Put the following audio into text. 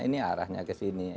ini arahnya ke sini